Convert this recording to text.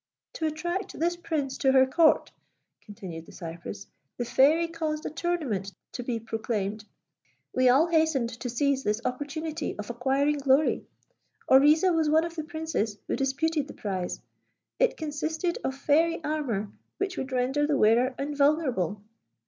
"To attract this prince to her Court," continued the cypress, "the Fairy caused a tournament to be proclaimed. We all hastened to seize this opportunity of acquiring glory. Oriza was one of the princes who disputed the prize. It consisted of fairy armour which would render the wearer invulnerable.